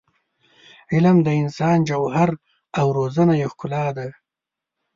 علم د انسان جوهر او روزنه یې ښکلا ده.